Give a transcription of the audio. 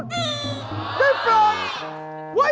ด้วยฝรั่ง